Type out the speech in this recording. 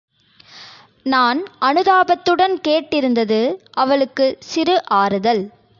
நான் அனுதாபத்துடன் கேட்டிருந்தது அவளுக்கு சிறு ஆறுதல்.